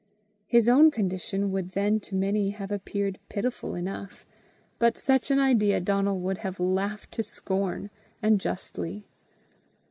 His own condition would then to many have appeared pitiful enough, but such an idea Donal would have laughed to scorn, and justly.